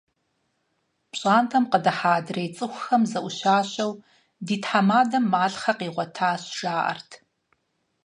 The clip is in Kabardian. ПщӀантӀэм къыдыхьа адрей цӀыхухэм зэӀущащэу: «Ди тхьэмадэм малъхъэ къигъуэтащ», – жаӀэрт.